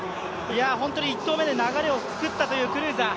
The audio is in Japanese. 本当に１投目で流れを作ったというクルーザー。